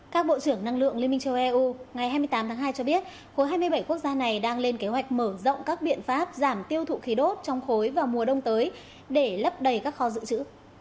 các bộ trưởng năng lượng liên minh châu âu ngày hai mươi tám tháng hai cho biết khối hai mươi bảy quốc gia này đang lên kế hoạch mở rộng các biện pháp giảm tiêu thụ khí đốt trong khối vào mùa đông tới để lấp đầy các kho dự trữ